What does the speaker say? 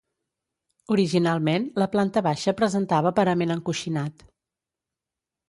Originalment la planta baixa presentava parament encoixinat.